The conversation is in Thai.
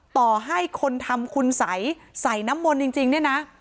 ต่อให้คนทำคุณสัยใส่น้ำมนต์จริงเนี่ยนะ